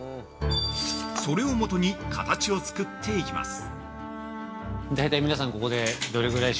それを元に形を作っていきます。